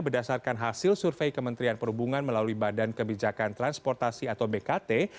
berdasarkan hasil survei kementerian perhubungan melalui badan kebijakan transportasi atau bkt